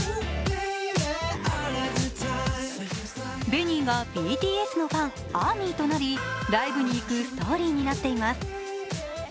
ベニーがＢＴＳのファン・ＡＲＭＹとなり、ライブに行くストーリーになっています。